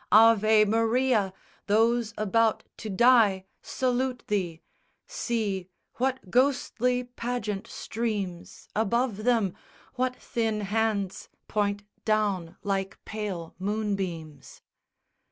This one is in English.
AVE MARIA, those about to die Salute thee! See, what ghostly pageant streams Above them? What thin hands point down like pale moonbeams?